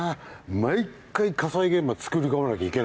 毎回火災現場つくり込まなきゃいけないじゃん？